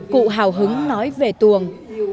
cụ hào hứng nói về tuồng